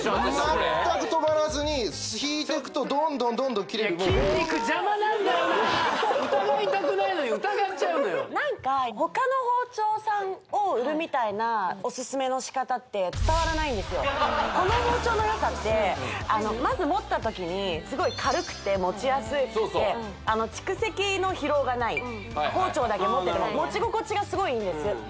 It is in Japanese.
まったく止まらずに引いてくとどんどんどんどん切れる疑いたくないのに疑っちゃうのよなんかほかの包丁さんを売るみたいなオススメのしかたってこの包丁のよさってまず持った時にすごい軽くて持ちやすくて蓄積の疲労がない包丁だけ持ってても持ち心地がすごいいいんです